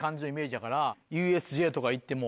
ＵＳＪとか行っても。